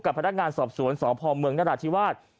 พนักงานสอบสวนสพเมืองนราธิวาส